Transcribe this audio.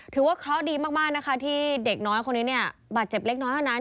ถือว่าเคราะห์ดีมากนะคะที่เด็กน้อยคนนี้เนี่ยบาดเจ็บเล็กน้อยเท่านั้น